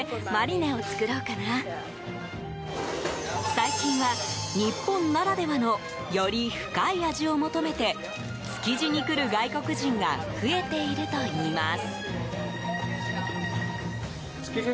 最近は、日本ならではのより深い味を求めて築地に来る外国人が増えているといいます。